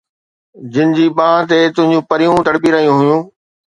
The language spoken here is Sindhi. جن جي ٻانهن تي تنهنجون پريون تڙپي رهيون هيون